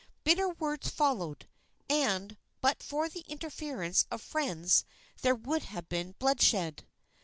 Bitter words followed, and but for the interference of friends there would have been bloodshed.